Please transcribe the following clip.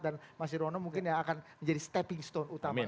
dan mas rono mungkin yang akan menjadi stepping stone utama